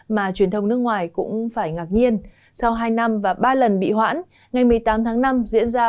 mà truyền thông nước ngoài cũng phải ngạc nhiên sau hai năm và ba lần bị hoãn ngày một mươi tám tháng năm diễn ra